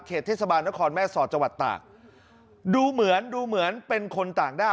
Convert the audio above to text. เทศบาลนครแม่สอดจังหวัดตากดูเหมือนดูเหมือนเป็นคนต่างด้าว